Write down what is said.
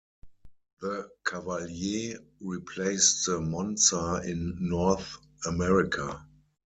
The Cavalier replaced the Monza in North America.